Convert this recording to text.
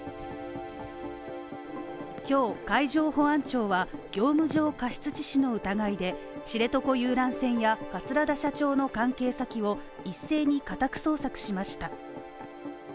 今日、海上保安庁は業務上過失致死の疑いで知床遊覧船や桂田社長の関係先を一斉に家宅捜索しました。